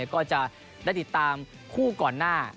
ก็จะได้ติดตามคู่ก่อนหน้า